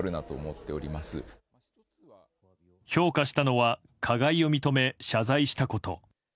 評価したのは加害を認め謝罪したこと。